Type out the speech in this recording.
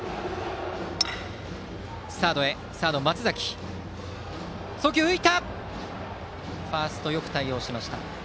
サード、松崎の送球が浮いたがファースト、よく対応しました。